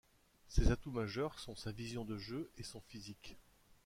Ses atouts majeurs sont sa vision de jeu et son physique.